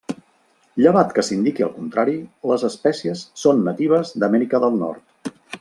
Llevat que s'indiqui el contrari, les espècies són natives d'Amèrica del Nord.